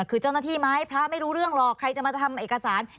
คือเจ้าหน้าที่ไหมพระไม่รู้เรื่องหรอก